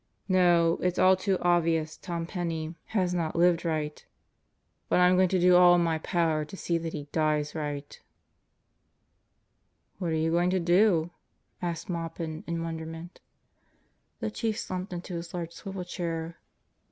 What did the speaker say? ... No, it's all too obvious Tom Penney has 8 God Goes to Murderer's Row not lived right but I'm going to do all in my power to see that he dies right I" "What are you going to do?" asked Maupin in wonderment. The Chief slumped into his large swivel chair.